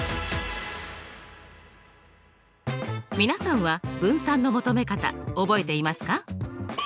皆さんは分散の求め方覚えていますか？